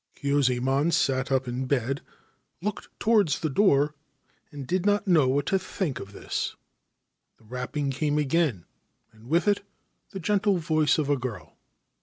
Kyuzaemon sat up in bed, looked towards the door, and did not know what to think of this. The rapping came again, and with it the gentle voice of a girl.